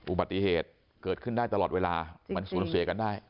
อุบัติเหตุเกิดขึ้นได้ตลอดเวลามันสูญเสียกันได้